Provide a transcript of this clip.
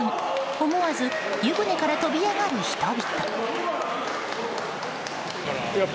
思わず湯船から飛び上がる人々。